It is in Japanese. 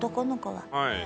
はい。